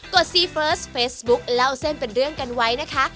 ดซีเฟิร์สเฟซบุ๊คเล่าเส้นเป็นเรื่องกันไว้นะคะ